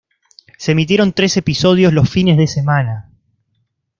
Se emitieron trece episodios los fines de semana.